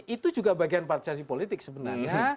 itu juga bagian partiasi politik sebenarnya